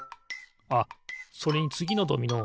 あっそれにつぎのドミノ